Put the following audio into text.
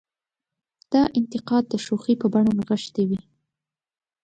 دا انتقاد د شوخۍ په بڼه نغښتې وي.